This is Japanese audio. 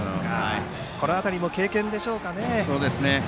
この辺りも経験でしょうか。